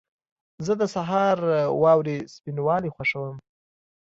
زه د سهار واورې سپینوالی خوښوم.